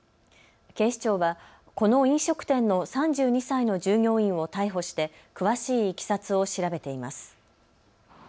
警視庁はこの飲食店の３２歳の従業員を逮捕して詳しいいきさつを調べています。